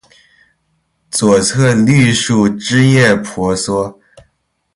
左侧绿树枝叶婆娑